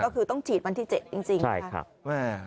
คือต้องฉีดวันที่๗จริงครับใช่ครับ